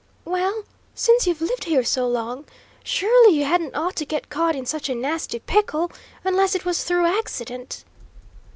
"Well, since you've lived here so long, surely you hadn't ought to get caught in such a nasty pickle; unless it was through accident?"